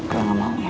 gue gak mau ya